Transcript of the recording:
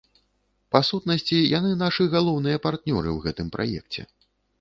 Па сутнасці, яны нашы галоўныя партнёры ў гэтым праекце.